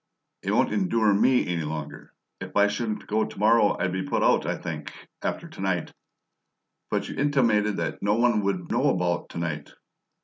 "It won't endure ME any longer. If I shouldn't go to morrow I'd be put out, I think after to night!" "But you intimated that no one would know about to night!"